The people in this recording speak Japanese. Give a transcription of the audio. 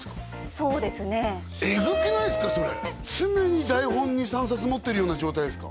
そうですねエグくないっすかそれ常に台本２３冊持ってるような状態ですか？